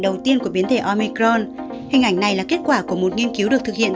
đầu tiên của biến thể omecron hình ảnh này là kết quả của một nghiên cứu được thực hiện